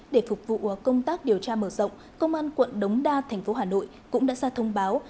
để phục vụ công tác điều tra mở rộng công an quận đống đa thành phố hà nội cũng đã ra thông báo